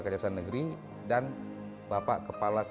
ke arah pracak